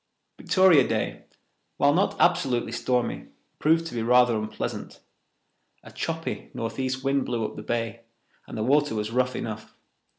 Victoria Day, while not absolutely stormy, proved to be rather unpleasant. A choppy northeast wind blew up the bay, and the water was rough enough.